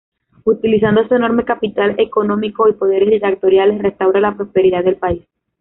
Utilizando su enorme capital económico y poderes dictatoriales, restaura la prosperidad del país.